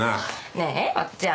ねえおっちゃん。